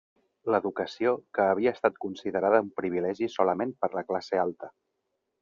L'educació que havia estat considerada un privilegi solament per a la classe alta.